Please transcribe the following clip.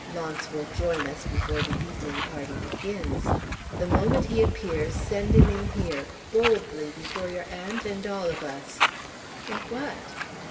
Launce will join us before the evening party begins. The moment he appears, send him in here boldly before your aunt and all of us." "For what?"